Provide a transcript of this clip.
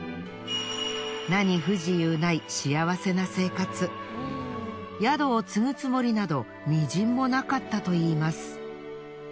何不自由ない宿を継ぐつもりなどみじんもなかったといいます。